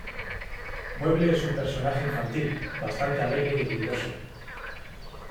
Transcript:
Mueble es un personaje infantil, bastante alegre y ruidoso.